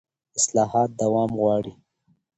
اصلاحات دوام غواړي